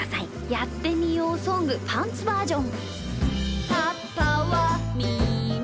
「やってみようソングパンツバージョン」。